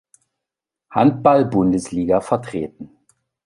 Handball-Bundesliga vertreten.